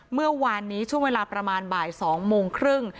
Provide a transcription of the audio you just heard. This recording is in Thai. เมื่อวานนี้ช่วงเวลาประมาณบ่าย๒โมงครึ่ง